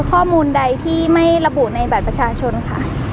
ข้อมูลใดที่ไม่ระบุในบัตรประชาชนค่ะ